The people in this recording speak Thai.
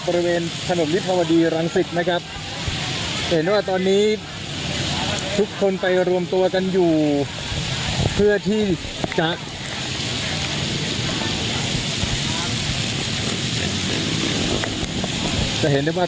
ทางกลุ่มมวลชนทะลุฟ้าทางกลุ่มมวลชนทะลุฟ้าทางกลุ่มมวลชนทะลุฟ้า